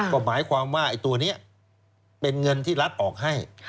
ก็หมายความว่าไอ้ตัวนี้เป็นเงินที่รัฐออกให้